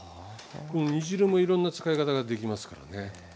この煮汁もいろんな使い方ができますからね。